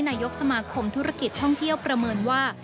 นายกสมาคมธุรกิจท่องเที่ยวประเมินว่า